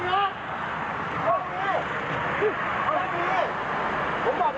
รับบัตรค่ะ